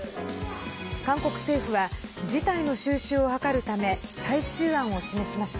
韓国政府は事態の収拾を図るため最終案を示しました。